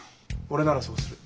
俺ならそうする。